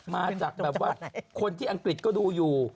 มาจากควรที่อังกฤษก็ดูอยู่